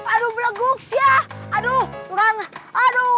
aduh beraguk sia